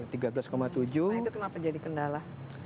itu kenapa jadi kendala